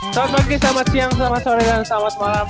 selamat pagi selamat siang selamat sore dan selamat malam